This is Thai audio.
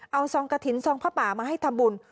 เอาซองกระถิ่นซองผ้าป่ามาให้ทำบุญ